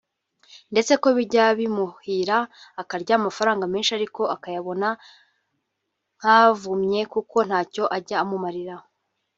ndetse ko bijya bimuhira akarya amafaranga menshi ariko akayabona nk’avumye kuko ntacyo ajya amumarira